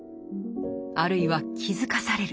あるいは気付かされる。